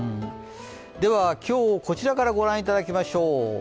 今日こちらからご覧いただきましょう。